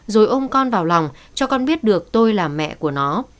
rồi ôm con vào lòng cho con biết được tôi là mẹ của nó